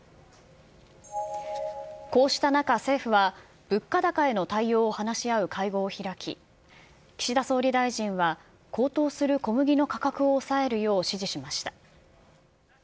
こうした中、政府は物価高への対応を話し合う会合を開き、岸田総理大臣は、高騰する小麦の価格を抑えるよう指示しました。